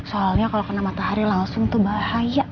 soalnya kalau kena matahari langsung tuh bahaya